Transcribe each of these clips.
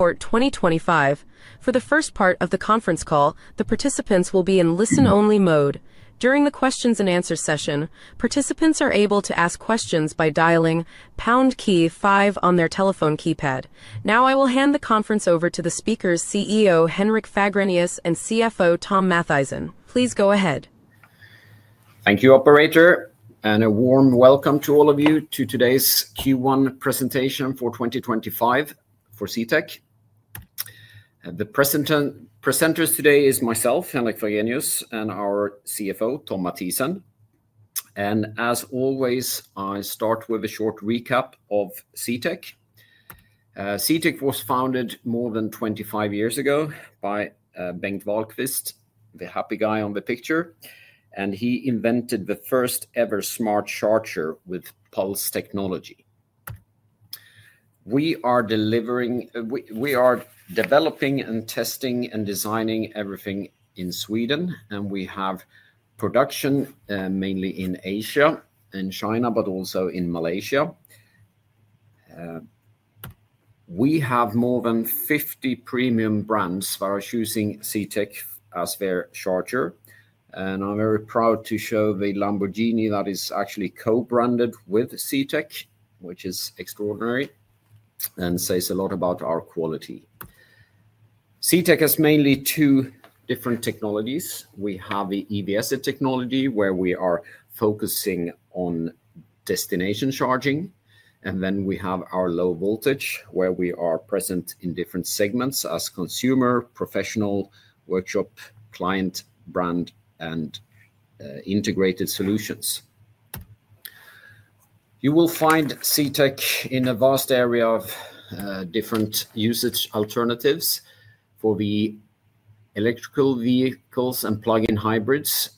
Report 2025. For the first part of the conference call, the participants will be in listen-only mode. During the Q&A session, participants are able to ask questions by dialing pound five on their telephone keypad. Now, I will hand the conference over to the speakers, CEO Henrik Fagrenius and CFO Thom Mathisen. Please go ahead. Thank you, Operator, and a warm Welcome to all of you to Today's Q1 Presentation for 2025 for CTEK. The presenters today are myself, Henrik Fagrenius, and our CFO, Thom Mathisen. As always, I start with a short recap of CTEK. CTEK was founded more than 25 years ago by Bengt Wahlqvist, the happy guy on the picture, and he invented the first-ever smart charger with pulse technology. We are delivering—we are developing and testing and designing everything in Sweden, and we have production mainly in Asia and China, but also in Malaysia. We have more than 50 premium brands that are choosing CTEK as their charger, and I'm very proud to show the Lamborghini that is actually co-branded with CTEK, which is extraordinary and says a lot about our quality. CTEK has mainly two different technologies. We have the EVSE technology, where we are focusing on destination charging, and then we have our low voltage, where we are present in different segments as consumer, professional, workshop, client, brand, and integrated solutions. You will find CTEK in a vast area of different usage alternatives. For the electrical vehicles and plug-in hybrids,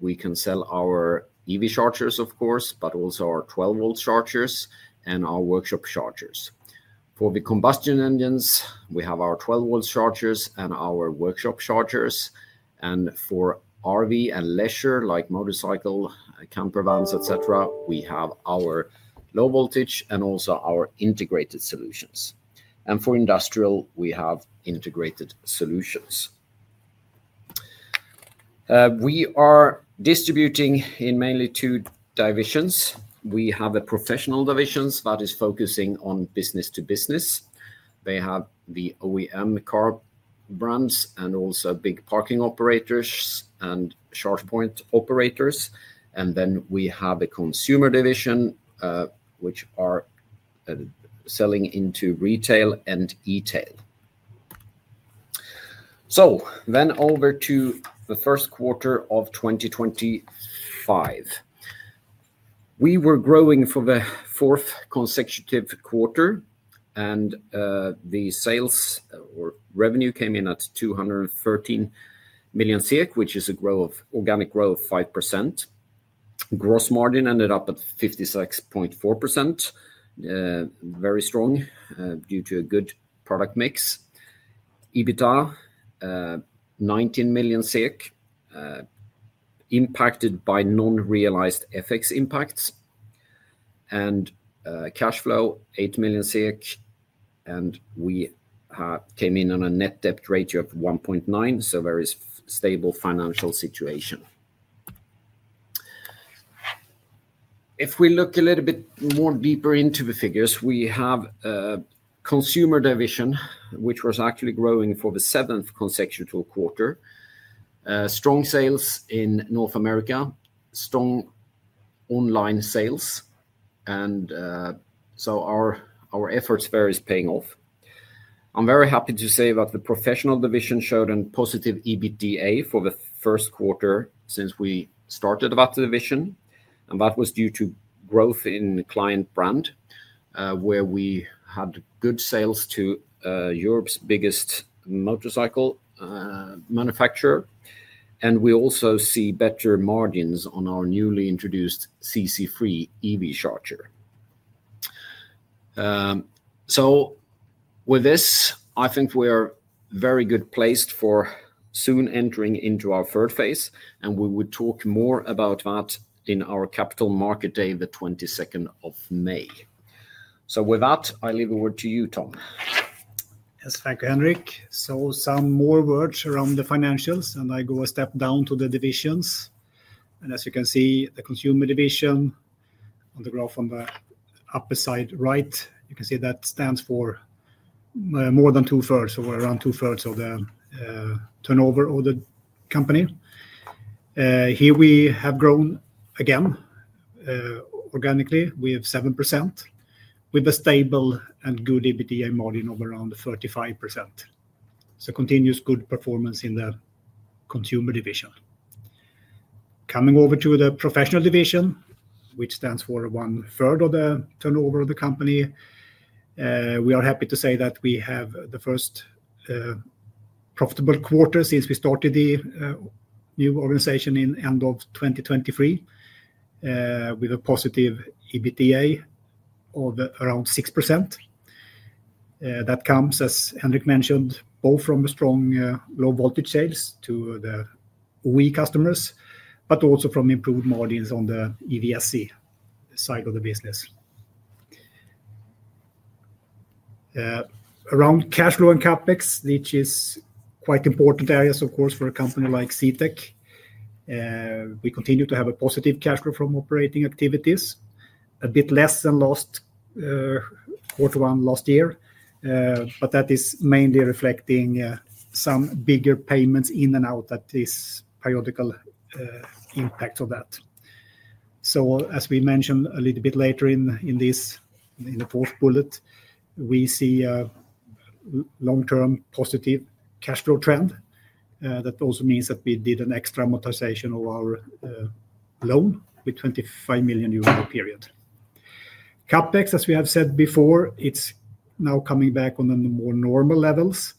we can sell our EV chargers, of course, but also our 12-volt chargers and our workshop chargers. For the combustion engines, we have our 12-volt chargers and our workshop chargers. For RV and leisure, like motorcycle, camper vans, etc., we have our low voltage and also our integrated solutions. For industrial, we have integrated solutions. We are distributing in mainly two divisions. We have a professional division that is focusing on business-to-business. They have the OEM car brands and also big parking operators and charge point operators. We have a consumer division, which are selling into retail and e-tail. Over to the first quarter of 2025. We were growing for the fourth consecutive quarter, and the sales or revenue came in at 213 million, which is an organic growth of 5%. Gross margin ended up at 56.4%, very strong due to a good product mix. EBITDA, SEK 19 million, impacted by non-realized FX impacts. Cash flow, 8 million SEK, and we came in on a net debt ratio of 1.9, so a very stable financial situation. If we look a little bit more deeper into the figures, we have a consumer division, which was actually growing for the seventh consecutive quarter. Strong sales in North America, strong online sales, and our efforts are very paying off. I'm very happy to say that the professional division showed a positive EBITDA for the first quarter since we started that division, and that was due to growth in client brand, where we had good sales to Europe's biggest motorcycle manufacturer. We also see better margins on our newly introduced CC-free EV charger. With this, I think we are very good placed for soon entering into our third phase, and we will talk more about that in our capital market day the 22nd of May. With that, I leave the word to you, Thom. Yes, thank you, Henrik. Some more words around the financials, and I go a step down to the divisions. As you can see, the consumer division on the graph on the upper side right, you can see that stands for more than two-thirds, or around two-thirds of the turnover of the company. Here we have grown again organically. We have 7% with a stable and good EBITDA margin of around 35%. Continuous good performance in the consumer division. Coming over to the professional division, which stands for one-third of the turnover of the company, we are happy to say that we have the first profitable quarter since we started the new organization in the end of 2023 with a positive EBITDA of around 6%. That comes, as Henrik mentioned, both from the strong low-voltage sales to the OE customers, but also from improved margins on the EVSE side of the business. Around cash flow and CapEx, which is quite important areas, of course, for a company like CTEK, we continue to have a positive cash flow from operating activities, a bit less than last quarter one last year, but that is mainly reflecting some bigger payments in and out at these periodical impacts of that. As we mentioned a little bit later in this, in the fourth bullet, we see a long-term positive cash flow trend. That also means that we did an extra amortization of our loan with a 25 million euro in the period. CapEx, as we have said before, it's now coming back on the more normal levels,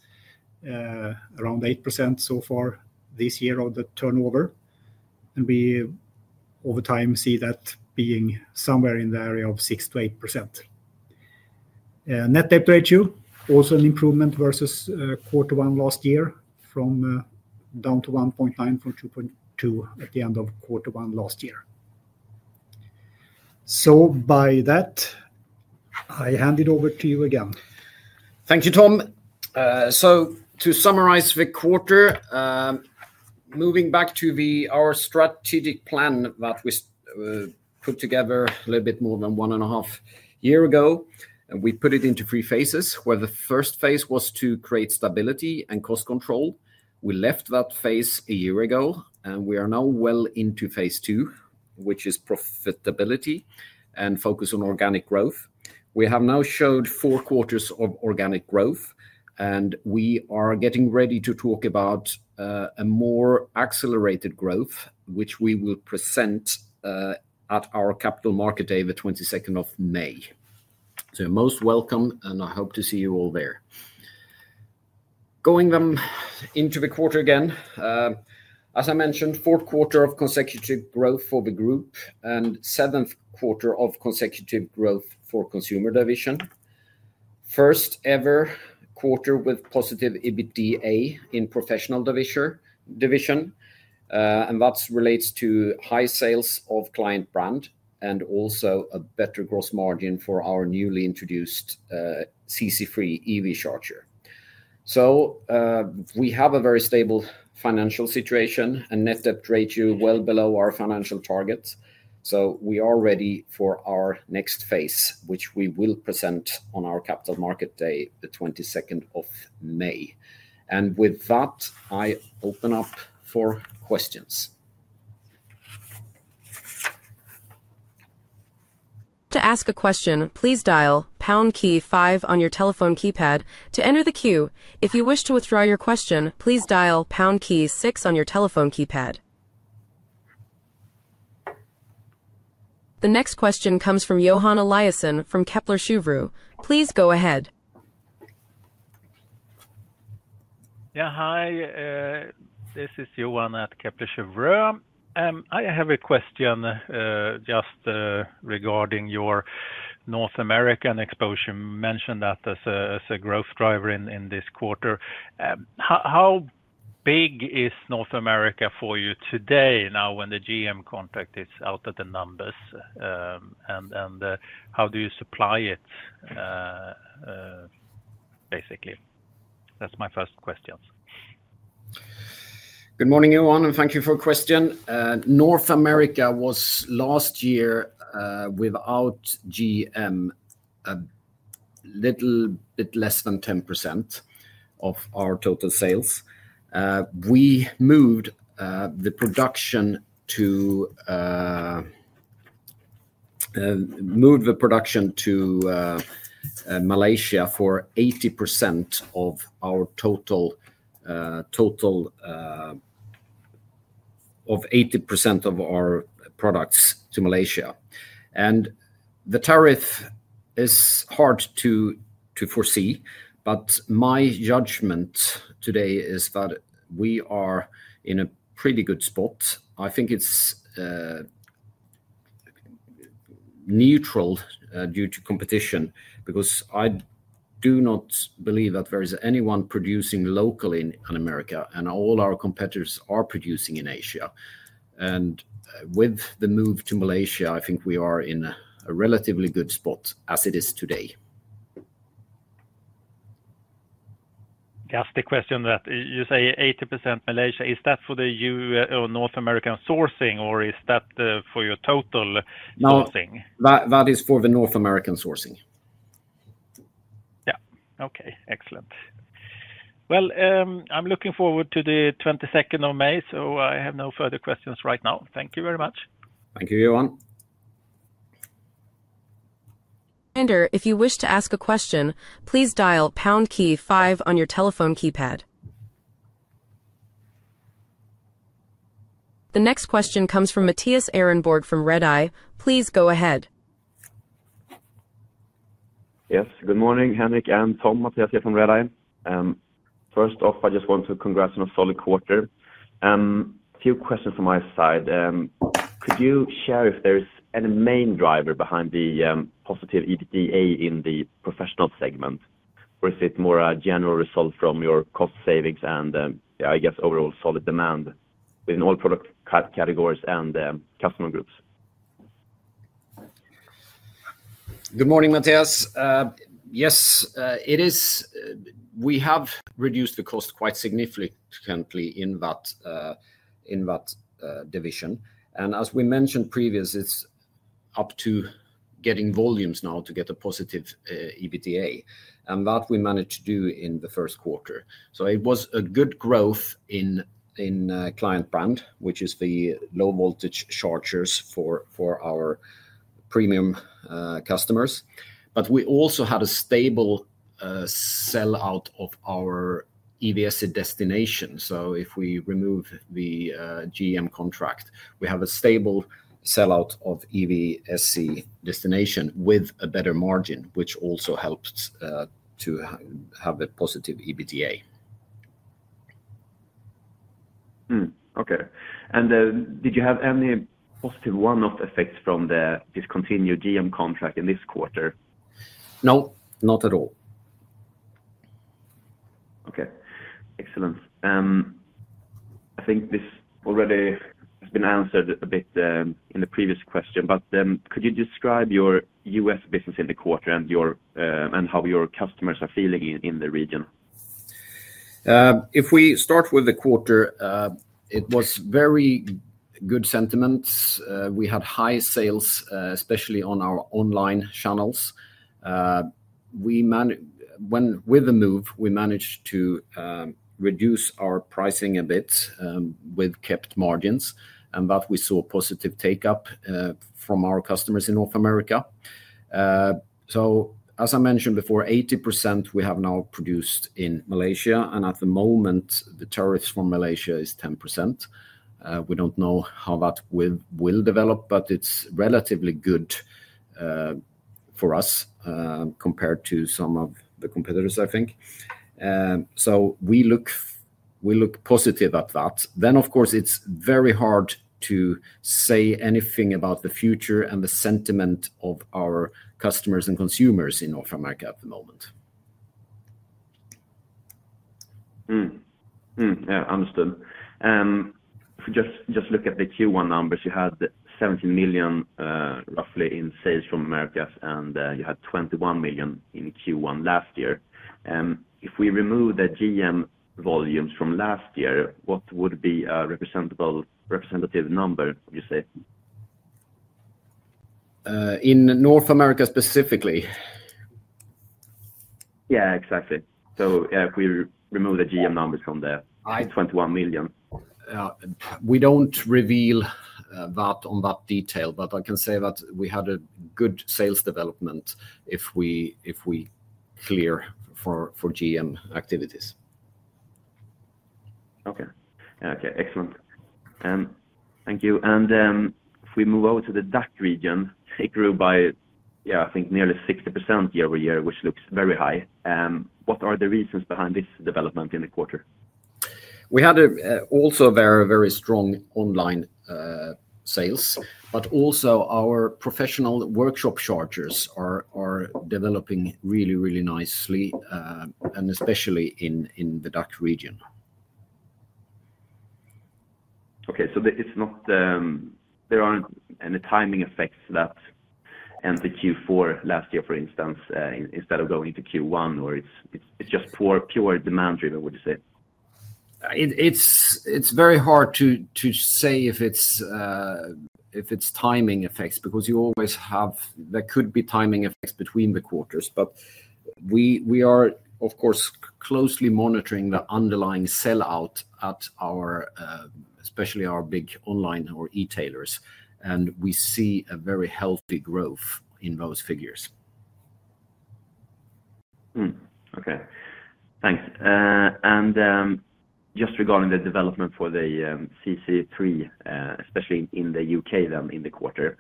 around 8% so far this year of the turnover. We over time see that being somewhere in the area of 6-8%. Net debt ratio, also an improvement versus quarter one last year, down to 1.9 from 2.2 at the end of quarter one last year. By that, I hand it over to you again. Thank you, Thom. To summarize the quarter, moving back to our strategic plan that we put together a little bit more than one and a half years ago, we put it into three phases, where the first phase was to create stability and cost control. We left that phase a year ago, and we are now well into phase II, which is profitability and focus on organic growth. We have now showed four quarters of organic growth, and we are getting ready to talk about a more accelerated growth, which we will present at our capital market day the 22nd of May. Most welcome, and I hope to see you all there. Going into the quarter again, as I mentioned, fourth quarter of consecutive growth for the group and seventh quarter of consecutive growth for consumer division. First-ever quarter with positive EBITDA in professional division, and that relates to high sales of client brand and also a better gross margin for our newly introduced CC-free EV charger. We have a very stable financial situation, a net debt ratio well below our financial targets. We are ready for our next phase, which we will present on our capital market day the 22nd of May. With that, I open up for questions. To ask a question, please dial pound five on your telephone keypad to enter the queue. If you wish to withdraw your question, please dial pound six on your telephone keypad. The next question comes from Johan Eliasson from Kepler Cheuvreux. Please go ahead. Yeah, hi. This is Johan at Kepler Cheuvreux. I have a question just regarding your North American exposure. You mentioned that as a growth driver in this quarter. How big is North America for you today, now when the GM contract is out of the numbers? And how do you supply it, basically? That's my first question. Good morning, Johan, and thank you for the question. North America was last year without General Motors a little bit less than 10% of our total sales. We moved the production to Malaysia for 80% of our total, 80% of our products to Malaysia. The tariff is hard to foresee, but my judgment today is that we are in a pretty good spot. I think it is neutral due to competition because I do not believe that there is anyone producing locally in the U.S., and all our competitors are producing in Asia. With the move to Malaysia, I think we are in a relatively good spot as it is today. Just a question that you say 80% Malaysia. Is that for the North American sourcing, or is that for your total sourcing? No, that is for the North American sourcing. Yeah, okay, excellent. I am looking forward to the 22nd of May, so I have no further questions right now. Thank you very much. Thank you, Johan. If you wish to ask a question, please dial pound five on your telephone keypad. The next question comes from Matthias Ehrenborg from Red Eye. Please go ahead. Yes, good morning, Henrik and Thom. Matthias here from Red Eye. First off, I just want to congratulate a solid quarter. A few questions from my side. Could you share if there is any main driver behind the positive EBITDA in the professional segment, or is it more a general result from your cost savings and, yeah, I guess overall solid demand in all product categories and customer groups? Good morning, Matthias. Yes, it is. We have reduced the cost quite significantly in that division. As we mentioned previously, it is up to getting volumes now to get a positive EBITDA, and that we managed to do in the first quarter. It was a good growth in client brand, which is the low-voltage chargers for our premium customers. We also had a stable sell-out of our EVSE destination. If we remove the GM contract, we have a stable sell-out of EVSE destination with a better margin, which also helped to have a positive EBITDA. Okay. Did you have any positive one-off effects from the discontinued GM contract in this quarter? No, not at all. Okay, excellent. I think this already has been answered a bit in the previous question, but could you describe your U.S. business in the quarter and how your customers are feeling in the region? If we start with the quarter, it was very good sentiments. We had high sales, especially on our online channels. With the move, we managed to reduce our pricing a bit with kept margins, and that we saw positive take-up from our customers in North America. As I mentioned before, 80% we have now produced in Malaysia, and at the moment, the tariffs from Malaysia is 10%. We do not know how that will develop, but it is relatively good for us compared to some of the competitors, I think. We look positive at that. Of course, it is very hard to say anything about the future and the sentiment of our customers and consumers in North America at the moment. Yeah, understood. If we just look at the Q1 numbers, you had 17 million roughly in sales from America, and you had 21 million in Q1 last year. If we remove the GM volumes from last year, what would be a representative number, would you say? In North America specifically? Yeah, exactly. If we remove the GM numbers from the 21 million. We don't reveal that on that detail, but I can say that we had a good sales development if we clear for GM activities. Okay, okay, excellent. Thank you. If we move over to the DACH region, it grew by, yeah, I think nearly 60% year-over-year, which looks very high. What are the reasons behind this development in the quarter? We had also very, very strong online sales, but also our professional workshop chargers are developing really, really nicely, and especially in the DACH region. Okay, so there aren't any timing effects that ended Q4 last year, for instance, instead of going to Q1, or it's just pure demand-driven, would you say? It's very hard to say if it's timing effects because you always have, there could be timing effects between the quarters, but we are, of course, closely monitoring the underlying sell-out at our, especially our big online or e-tailers, and we see a very healthy growth in those figures. Okay, thanks. Just regarding the development for the CC3, especially in the U.K. then in the quarter,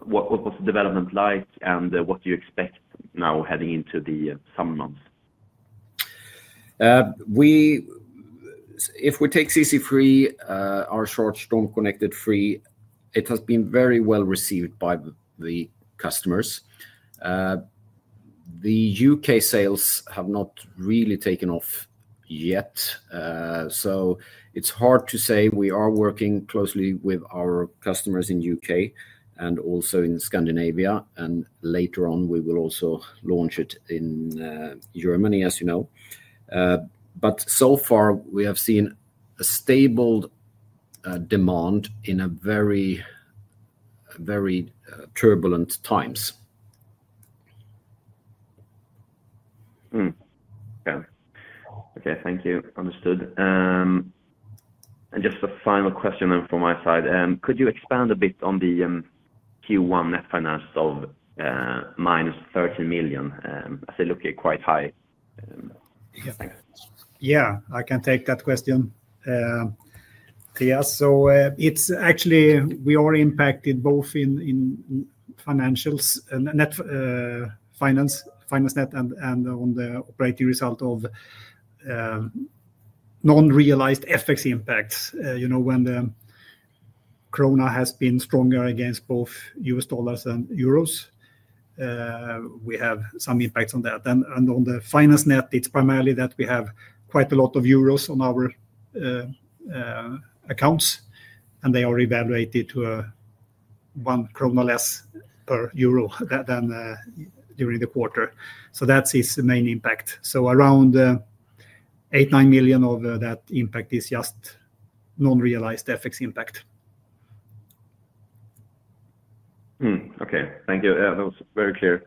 what was the development like and what do you expect now heading into the summer months? If we take CC3, our short-strong connected free, it has been very well received by the customers. The U.K. sales have not really taken off yet, so it's hard to say. We are working closely with our customers in the U.K. and also in Scandinavia, and later on, we will also launch it in Germany, as you know. So far, we have seen a stable demand in very, very turbulent times. Okay, okay, thank you. Understood. Just a final question then from my side. Could you expand a bit on the Q1 net financials of minus 13 million? I see it looking quite high. Yeah, I can take that question, Matthias. So it's actually we are impacted both in financials, net finance, finance net, and on the operating result of non-realized FX impacts. You know, when the krona has been stronger against both U.S. dollars and euros, we have some impacts on that. On the finance net, it's primarily that we have quite a lot of euros on our accounts, and they are evaluated to one krona less per euro than during the quarter. That's its main impact. Around 8 million-9 million of that impact is just non-realized FX impact. Okay, thank you. That was very clear.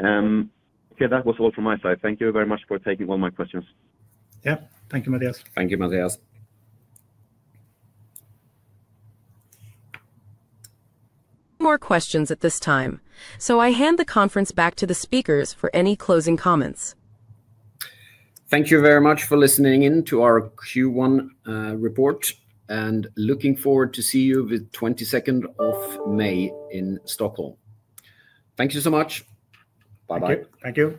Okay, that was all from my side. Thank you very much for taking all my questions. Yeah, thank you, Matthias. Thank you, Matthias. More questions at this time. I hand the conference back to the speakers for any closing comments. Thank you very much for listening in to our Q1 report, and looking forward to seeing you the 22nd of May in Stockholm. Thank you so much. Bye-bye. Thank you.